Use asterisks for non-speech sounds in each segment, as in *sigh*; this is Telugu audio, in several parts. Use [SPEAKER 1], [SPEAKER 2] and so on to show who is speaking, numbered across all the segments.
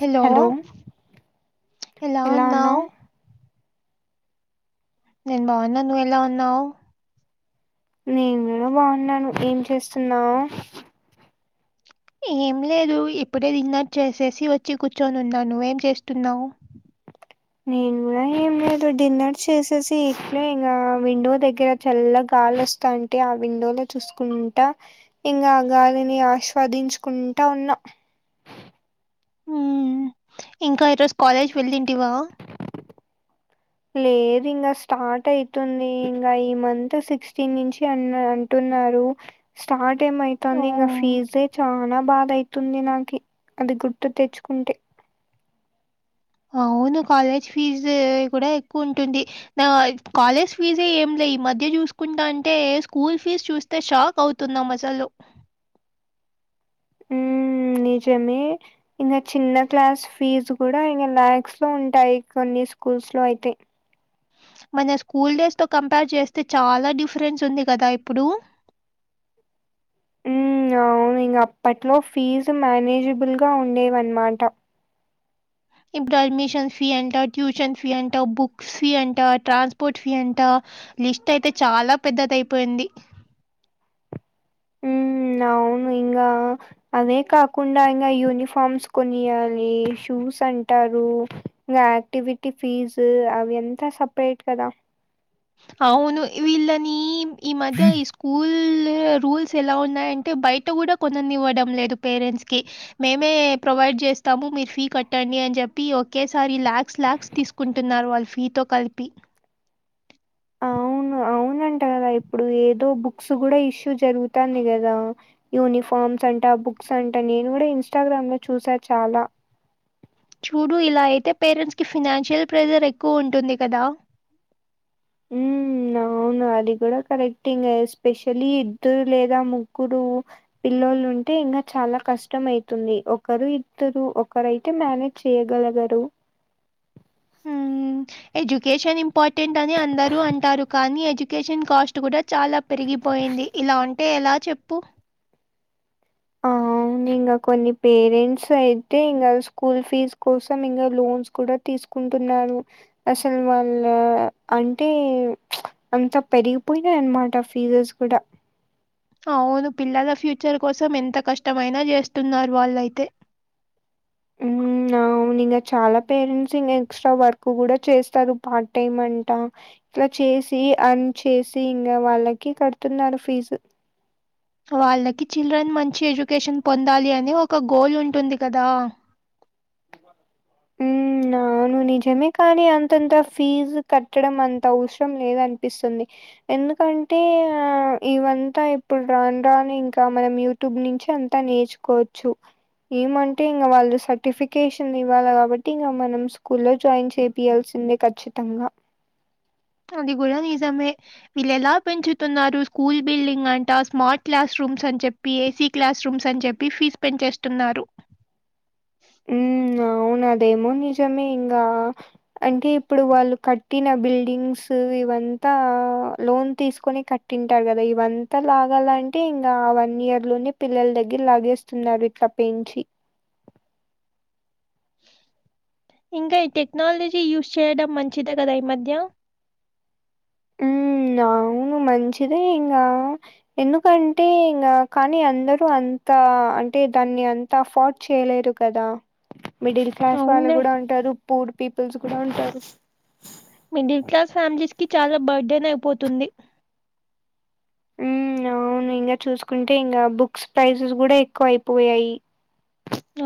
[SPEAKER 1] హలో ఎలా ఉన్నావ్ నేను బాగున్న నువ్వు ఎలా ఉన్నావ్
[SPEAKER 2] నేను కూడ బాగున్నాను ఏం చేస్తున్నావు
[SPEAKER 1] ఏం లేదు ఇప్పుడే డిన్నర్ చేసేసి వచ్చి కూర్చొని ఉన్నా నువ్వేం చేస్తున్నావు
[SPEAKER 2] నేను కూడా ఏం లేదు డిన్నర్ చేసేసి ఇట్లే ఇంగ విండో దగ్గర చల్ల గాలి వస్తాం టే ఆ విండోలో చూసుకుంటా ఇంగా ఆ గాలిని ఆస్వాదించుకుంటా ఉన్నా
[SPEAKER 1] మ్మ్. ఇంకా ఈరోజు కాలేజ్ వెళ్ళింటివా
[SPEAKER 2] లేదు ఇంగా స్టార్ట్ అయితుంది ఇంగా ఈ మంత్ సిక్స్టీన్ నుంచి అన అం టున్నారు స్టార్ట్ ఏమో
[SPEAKER 1] ఓ
[SPEAKER 2] అయితాంది ఇంగా ఫీజే చానా బాధ అయితుంది నాకి అది గుర్తు తెచ్చుకుంటే
[SPEAKER 1] అవును కాలేజ్ ఫీజు కూడా ఎక్కువ ఉంటుంది నా కాలేజ్ ఫీజే ఏం లే ఈ మధ్య చూసుకుంటంటే స్కూల్ ఫీజ్ చూస్ తే షాక్ అవుతున్నాం అసలు
[SPEAKER 2] నిజమే ఇంగా చిన్న క్లాస్ ఫీజు కూడా ఇంగ ల్యాక్స్‌లో ఉంటాయి కొన్ని స్కూల్స్‌లో అయితే
[SPEAKER 1] మన స్కూల్ డేస్‌తో కంపేర్ చేస్తే చాలా డిఫరెన్స్ ఉంది కదా ఇప్పుడు
[SPEAKER 2] ఉమ్మ్ అవును ఇంగ అప్పట్లో ఫీజు మేనేజిబుల్‌గా ఉండేవి అనమాట
[SPEAKER 1] ఇప్పుడు అడ్మిషన్ ఫీ అంట ట్యూషన్ ఫీ అంటా బుక్స్ ఫీ అంట ట్రాన్స్ పోర్ట్ ఫీ అంట లిస్ట్ అయితే చాలా పెద్దదైపోయింది
[SPEAKER 2] నవును ఇంగా అవే కాకుండా ఇంగా యూనిఫార్మ్స్ కొనియ్యాలి షూస్ అంటారు ఇంగ యాక్టివిటీ ఫీజు అవి అంతా సపరేట్ కదా
[SPEAKER 1] అవును వీళ్ళని ఈ మధ్య ఈ స్కూల్ రూల్స్ ఎలా ఉన్నాయంటే బయట కూడా కొననివ్వడం లేదు పేరెంట్స్‌కి మేమే ప్రొవైడ్ చేస్తాము మీరు ఫీ కట్టండి అని చెప్పి ఒకేసారి ల్యాక్స్ ల్యాక్స్ తీసు కుంటున్నారు వాళ్ళు ఫీ తో కలిపి
[SPEAKER 2] వును అవునంట కదా ఇప్పుడు ఏదో బుక్స్ కూడా ఇష్యూ జరుగుతాంది కదా యూనిఫార్మ్స్ అంట బుక్స్ అంట నేను కూడా ఇన్స్టాగ్రామ్‌లో చూసా చాలా
[SPEAKER 1] చూడు ఇలా అయితే పేరెంట్స్‌కి ఫినాన్షియల్ ప్రెషర్ ఎక్కువ ఉంటుంది కదా
[SPEAKER 2] ఉమ్ అవును అది కూడా కరెక్ట్ ఇంగ ఎస్పెషలీ ఇద్దరు లేదా ముగ్గురు పిల్లలు ఉంటే ఇంగా చాలా కష్టం అయితుంది ఒకరు ఇద్దరు ఒకరైతే మేనే చేయగలగరు
[SPEAKER 1] హుమ్ ఎడ్యుకేషన్ ఇంపార్టెంట్ అని అందరూ అంటారు కానీ ఎడ్యుకేషన్ కాస్ట్ కూడా చాలా పెరిగిపోయింది ఇలా ఉంటే ఎలా చెప్పు
[SPEAKER 2] నిన్న కొన్ని పేరెంట్స్ అయితే ఇంకా స్కూల్ ఫీజ్ కోసం ఇంకా లోన్స్ కూడ తీసుకుంటున్నారు అసలు వాళ్ళ అంటే అంత పెరిగిపోయినాయి అనమాట ఫీజేస్ కూడా
[SPEAKER 1] అవును పిల్లల ఫ్యూచర్ కోసం ఎంత కష్టమైన చేస్తున్నారు వాళ్ళయితే
[SPEAKER 2] ఉమ్ ఆ అవును ఇంగ చాలా పేరెంట్స్ ఇ ఎక్ట్రా వర్క్ కూడా చేస్తారు పార్ట్ టైమ్ అంటా ఇలా చేసి యార్న్ చేసి ఇంక వాళ్ళకి కడుతున్నారు ఫీజు
[SPEAKER 1] వాళ్ళకి చిల్డ్రన్ మంచి ఎడ్యుకేషన్ పొందాలి అని ఒక గోల్ ఉంటుంది కదా
[SPEAKER 2] నా నువ్వు నిజమే కానీ అంతంత ఫీజు కట్టడం అంత అవసరం లేదు అనిపిస్తుంది ఎందుకంటే ఆ ఇవంత ఇప్పుడు రాను రాను ఇంకా మనం యూ టుడే నుంచి అంతా నేర్చుకోవచ్చు ఏమంటే ఇం వాళ్ళు *unintelligible* ఫికేషన్ ఇవ్వాలి కాబట్టి ఇంగ మనం స్కూల్లో జాయిన్ చేపియాల్సిందే ఖచ్చితంగా
[SPEAKER 1] అది కూడ నిజమే వీళ్ళు ఎలా పెంచుతున్నారు స్కూల్ బిల్డింగ్ అంటా స్మార్ట్ క్లాస్ రూమ్స్ అని చెప్ ఏసీ క్లాస్ రూమ్స్ అని చెప్పి *unintelligible* పెంచేస్తున్నారు
[SPEAKER 2] హ్మ్. అవును అదేమో నిజమే ఇంకా అంటే ఇప్పుడు వాళ్ళు కట్టిన బిల్డింగ్స్ ఇవంతా లోన్ తీసుకొని కట్ కంటుంటారు కదా ఇవంతా లాగాల అంటే ఇంకా ఆ వన్ ఇయర్ లోని పిల్లల దగ్గర లాగేస్ స్తున్నారు ఇట్ల పెంచి
[SPEAKER 1] ఇంకా ఈ టెక్నాలజీ యూజ్ చేయడం మంచిదే కదా ఈ మధ్య
[SPEAKER 2] హ్మ్. అవును మంచిదే ఇంగా ఎందుకంటే ఇంగ కానీ అందరూ అంత అంటే దాన్ని అం అంత *unintelligible* చేయలేరు కదా మిడిల్ క్లాస్ వాళ్ళు
[SPEAKER 1] అవునులే.
[SPEAKER 2] కూడ ఉంటారు పూర్ పీపుల్స్ కూడఉంటారు
[SPEAKER 1] మిడిల్ క్లాస్ ఫ్యామిలీస్ కి చాల బర్ధన్ అయిపోతుంది
[SPEAKER 2] అవును ఇంకా చూసుకుంటే ఇంకా బుక్స్ ప్రైజెస్ కూడ ఎక్కువ అయిపోయాయి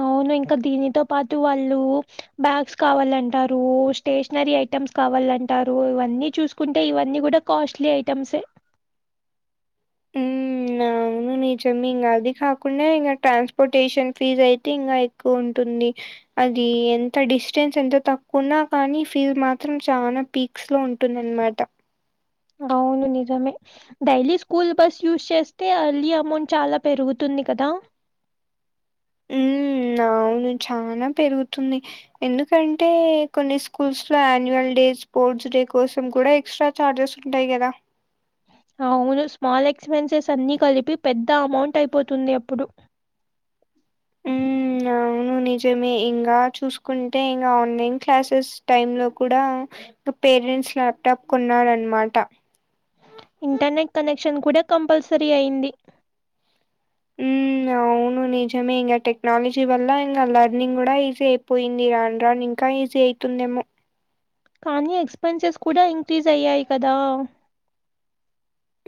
[SPEAKER 1] అవును ఇంక దీనితో పాటు వాళ్ళు బ్యాగ్స్ కావాలంటారు స్టేషనరీ ఐటమ్స్ కావాలంటారు ఇవన్నీ చూసుకుంటే ఇవన్నీ కూడా కాస్ట్లీ ఐటెమ్స్
[SPEAKER 2] ఉమ్ ఆ అవును నిజమే ఇంగ అది కాకుండా ఇంకా ట్రాన్స్పోర్టేషన్ ఫీజ్ అయితే ఇంకా ఎక్కువ ఉంటుంది అది ఎంత డిస్టెన్స్ ఎంత తక్కుఉన్నా కానీ ఫీజ్ మాత్రం చాల పీక్స్ లో ఉంటుంది అ న్నమాట
[SPEAKER 1] అవును నిజమే డైలీ స్కూల్ బస్ యూస్ చేస్తే అర్లీ అమౌంట్ చాల పెరుగుతుంది కదా
[SPEAKER 2] ఉ అవును చాన పెరుగుతుంది ఎందుకంటే కొన్ని స్కూల్స్ లో అన్యువల్ డేస్ స్పోర్ట్స్ డే కోసం కూడా ఎక్స్ట్రా చార్జెస్ ఉంటాయి గద
[SPEAKER 1] అవును స్మాల్ ఎక్స్పెన్సెస్ అన్ని కలిపి పెద్ద అమౌంట్ అయిపోతుంది అప్పుడు
[SPEAKER 2] ఉమ్ అవును నిజమే ఇంకా చూసుకుంటే ఇంకా ఆన్లైన్ క్లాసెస్ టైమ్ లో కూడా *unintelligible* పేరెంట్స్ లాప్టాప్ కొన్నారు అనమాట
[SPEAKER 1] ఇంటర్నెట్ కనెక్షన్ కూడ కంపల్సరీ అయింది
[SPEAKER 2] ఉమ్ అవును నిజమే ఇంగ టెక్నాలజీ వల్ల ఇంకా లెర్నింగ్ కూడా ఈజీ అయిపోయింది రాను రాను ఇంకా ఈజీ అ తుంది ఏమో
[SPEAKER 1] కానీ ఎక్స్పెన్సెస్ కూడా ఇంక్రీజ్ అయ్యాయి కదా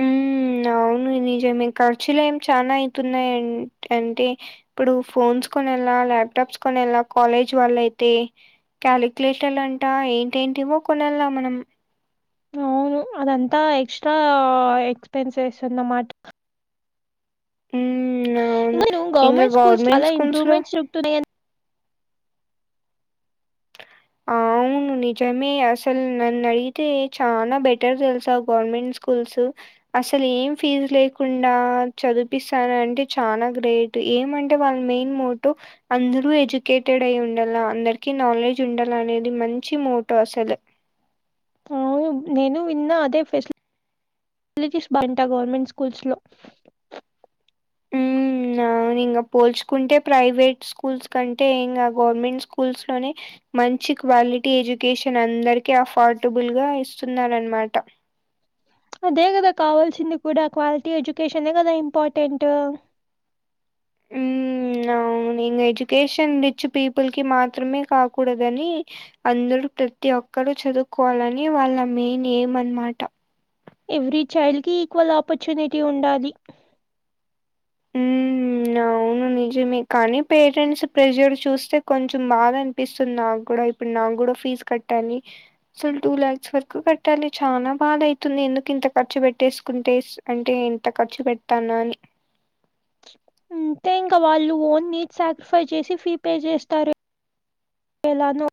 [SPEAKER 2] ఉమ్ అవును నిజమే ఖర్చులు ఏమి చనా అయితున్నాయి అన్ అంటే ఇప్పుడు ఫోన్స్ కొనెల లాప్టాప్ కొనేల కాలేజ్ వాళ్ళ అయితే క్యాలిక్యులేటర్లు అంటా ఏంటేంటివో కొనెళ మనం
[SPEAKER 1] అవును అదంతా ఎక్స్‌ట్రా ఎక్స్పెన్సెస్ అన్నమాట
[SPEAKER 2] ఉమ్ అవును
[SPEAKER 1] ఇంక
[SPEAKER 2] ఇంగ
[SPEAKER 1] గవర్నమెంట్ స్కూల్స్ చాలా
[SPEAKER 2] స్కూల్స్ లో
[SPEAKER 1] ఇంప్రూవ్మెంట్ జరుగుతున్నాయి
[SPEAKER 2] అవును నిజమే అసలు నన్ను అడిగితే చాలా బెటర్ తెలుసా గవర్నమెంట్ స్కూల్స్ అసలు ఏం ఫీజు లేకుండా చదిపిస్తాను అంటే చాల గ్రేట్ ఏమంటే వాళ్ళ మెయిన్ మోటో అందరూ ఎడ్యుకేటెడ్ అయి ఉండాల అందరికి నాలె డ్జ్ ఉండల అనేది మంచి మోటో అసలు
[SPEAKER 1] అవును నేను విన్నా అదే ఫె సిలిటీస్ బాంట గవర్నమెంట్ స్కూల్స్లో
[SPEAKER 2] న ఇంగ పోల్చుకుంటే ప్రైవేట్ స్కూల్స్ కంటే ఇంగ గవర్నమెంట్ స్కూల్స్లోనే మంచి క్వాలిటీ ఎడ్యుకేషన్ అందరికీ అఫోర్ట్బుల్గ ఇస్తున్నారనమాట
[SPEAKER 1] అదే కదా కావాల్సింది కూడా క్వాలిటీ ఎడ్యుకేషనే కదా ఇంపార్టెంట్
[SPEAKER 2] హ్మ్. అవును ఇంగ ఎడ్యుకేషన్ రిచ్ పీపుల్కి మాత్రమే కాకూడదని అందరూ ప్రతి ఒక్కరు చదువుకోవాలని వాళ్ళ మెయిన్ ఎయిమ్ అనమాట
[SPEAKER 1] ఎవ్రీ చైల్డ్కి ఈక్వల్ ఆపర్చునిటీ ఉండాలి
[SPEAKER 2] హ్మ్. అవును నిజమే కానీ పేరెంట్స్ ప్రెషర్ చూస్తే కొంచెం బాధ అనిపిస్తుంది నాకు కూడా ఇప్పుడు నాకు కూడా ఫీజ్ కట్ ట్టాలి అసలు టూ ల్యాక్స్ వరకు కట్టాలి చాలా బాధ అయితుంది ఎందుకు ఇంత ఖర్చు పెట్టేసుకుంటేస్ అంటే ఎంత ఖర్చు పెట్టానాని
[SPEAKER 1] అంతే ఇంకా వాళ్ళు ఓన్ నీట్ సెక్రిఫైస్ చేసి ఫీ పే చేస్తారు ఎలానో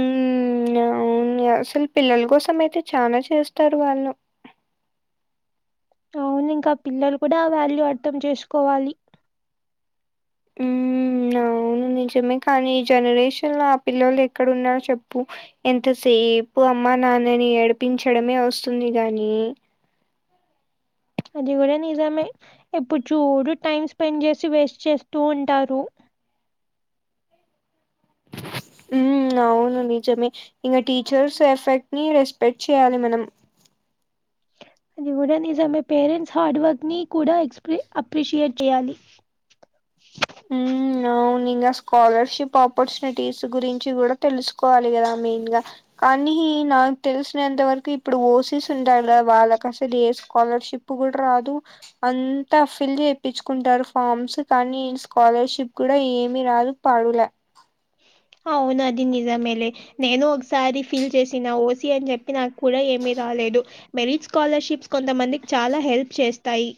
[SPEAKER 2] ఉమ్ అవును అసలు పిల్లల కోసం అయితే చాల చేస్తారు వాళ్ళు
[SPEAKER 1] అవును ఇంకా పిల్లలు కూడా ఆ వ్యాలు అర్థం చేసుకోవాలి
[SPEAKER 2] ఉమ్ అవును నిజమే కానీ ఈ జనరేషన్లో ఆ పిల్లలు ఎక్కడ ఉన్నారు చెప్పు ఎంతసేపు అమ్మ నాన్నని ఏడిపించడమే వస్తుంది గాని
[SPEAKER 1] అది కూడా నిజమే ఎప్పుడు చూడు టైమ్ స్పెండ్ చేసి వేస్ట్ చేస్తూ ఉంటారు
[SPEAKER 2] ఉమ్ అవును నిజమే ఇంగ టీచర్స్ ఎఫెక్ట్ని రెస్పెక్ట్ చేయ్యాలి మనం
[SPEAKER 1] అది కూడా నిజమే పేరెంట్స్ హార్డ్ వర్క్ని కూడా ఎక్స్ అప్రిషియేట్ చేయాలి
[SPEAKER 2] ఉమ్ అవును ఇంగ స్కాలర్షిప్ ఆపర్చునిటీస్ గురించి కూడా తెలుసుకోవాలి కదా మెయిన్గా కానీ నాకు తెలిసినంత వరకు ఇప్పుడు ఓసీస్ ఉండల వాళ్ళకు అసలు ఏ స్కాలర్షిప్ కూడ రాదు అంతా ఫిల్ చేపించుకుంటారు ఫార్మ్స్ కానీ స్కాలర్షిప్ కూడా ఏమి రాదు పడ్లే
[SPEAKER 1] అవునది నిజమేలే నేను ఒకసారి ఫీల్ చేసిన ఓసి అని చెప్పి నాకు కూడా ఏమి రాలేదు మెరిట్ స్కాలర్షిప్స్ కొంతమందికి చాలా హెల్ప్ చేస్తాయి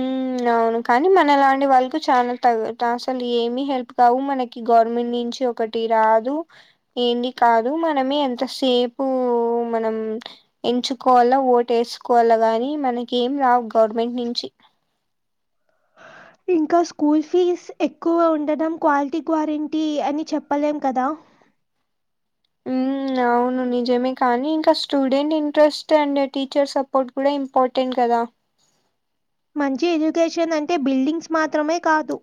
[SPEAKER 2] ఉమ్ అవును కానీ మనలాంటి వాళ్ళతో చాలా తగ అసలు ఏమి హెల్ప్ కావు మనకి గవర్నమెంట్ నుంచి ఒకటి రాదు ఏంది కాదు మనమే ఎంత సేపు మనం ఎంచుకోవాలా ఓటు వేసుకోవాలా గాని మనకి ఏం రావు గవర్నమెంట్ నుంచి
[SPEAKER 1] ఇంకా స్కూల్ ఫీజ్ ఎక్కువ ఉండడం క్వాలిటీ గ్వారెంటీ అని చెప్పలేం కదా
[SPEAKER 2] ఉమ్ అవును నిజమే కానీ ఇంకా student interest and teacher support కూడా ఇంపార్టెంట్ కదా
[SPEAKER 1] మంచి ఎడ్యుకేషన్ అంటే బిల్డింగ్స్ మాత్రమే కాదు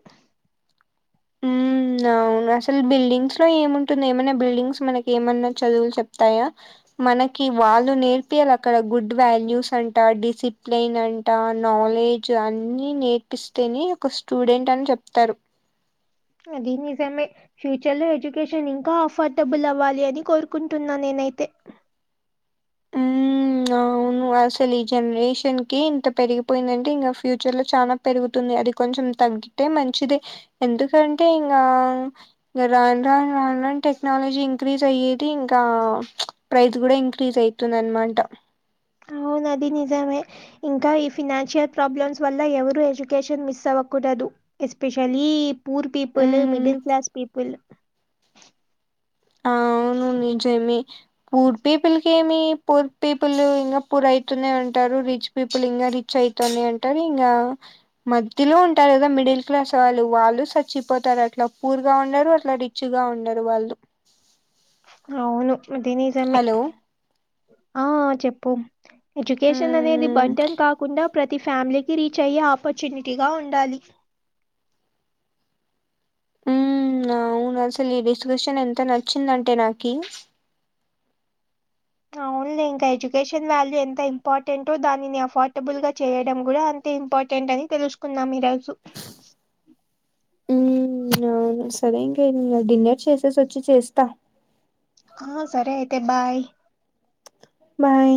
[SPEAKER 2] ఉమ్ అవును అసలు బిల్డింగ్స్ లో ఏముంటుంది ఏమన్నా బిల్డింగ్స్ మనకి ఏమన్నా చదువులు చెప్తాయా మనకి వాళ్ళు నేర్పియాలి అక్కడ గుడ్ వాల్యూస్ అంట డిసిప్లిన్ అం నాలెడ్జ్ అన్ని నేర్పిస్తేనే ఒక స్టూడెంట్ అని చెప్తారు
[SPEAKER 1] అది నిజమె ఫ్యూచర్ లో ఎడ్యుకేషన్ ఇంకా అఫర్డబుల్ అవ్వాలి అని కోరుకుంటున్నా నేనైతే
[SPEAKER 2] ఉమ్ ఆ అసలు ఈ జనరేషన్ కి ఇంత పెరిగిపోయిందంటే ఇంగ ఫ్యూచర్ లో చాలా పెరుగుతుంది అది కొంచెం తగ్గి అంటే మంచిది ఎందుకంటే ఇంగా ఇంగ రాన్ రాన్ రాన్ రాన్ టెక్నాలజీ ఇంక్రీజ్ అయ్యేది ఇంకా ప్రైజ్ కూడా ఇంక్రీజ్ అవుతుంది అన్న మాట
[SPEAKER 1] అవును అది నిజమే ఇంకా ఈ ఫినాన్షియల్ ప్రాబ్లమ్స్ వల్ల ఎవరు ఎడ్యుకేషన్ మిస్ అవ్వకూడదు ఎస్పెషలీ పూర్ పీపుల్
[SPEAKER 2] ఉమ్
[SPEAKER 1] మిడిల్ క్లాస్ పీపుల్
[SPEAKER 2] ఆవును నిజమే పూర్ పీపుల్ కి ఏమి పూర్ పీపుల్ ఇంకా పూర్ అవుతునే ఉంటారు రిచ్ పీపుల్ ఇంకా రిచ్ అయితానే ఉంటారు ఇంకా మధ్యలో ఉంటారు కదా మిడిల్ క్లాస్ వాళ్ళు వాళ్ళు చచ్చిపోతారు అట్లా పూర్గా ఉండరు అట్లా రి చ్గా ఉండరు వాళ్ళు
[SPEAKER 1] అవును ఇది నిజమే
[SPEAKER 2] హలో
[SPEAKER 1] ఆ చెప్పు ఎడ్యుకేషన్ అనేది
[SPEAKER 2] మ్మ్
[SPEAKER 1] బర్డెన్ కాకుండా ప్రతి ఫ్యామిలీకి రీచ్ అయ్యే ఆపర్చునిటీగా ఉండాలి
[SPEAKER 2] మ్మ్ అవును అసలు ఈ డిస్కషన్ ఎంత నచ్చిందంటే నాకి
[SPEAKER 1] అవునులే ఇంక ఎడ్యుకేషన్ వాల్యూ ఎంత ఇంపార్టెంట్ తో దానిని అఫర్డబుల్ గా చేయడం కూడా ఇంపార్టెంట్ అని తెలుసుకుందాం ఈ రోజు
[SPEAKER 2] మ్మ్ అవును సరే ఇంకా డిన్నర్ చేసేసి వచ్చి చేస్తా
[SPEAKER 1] ఆ సరే అయితే బాయ్
[SPEAKER 2] బాయ్